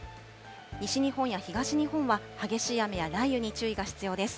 西日本や東日本は、激しい雨や雷雨に注意が必要です。